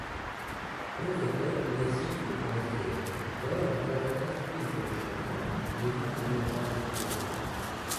O několik měsíců později bylo nakladatelství zrušeno a kniha nemohla být vydána.